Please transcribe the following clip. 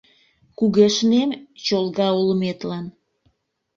Кугешнем чолга улметлан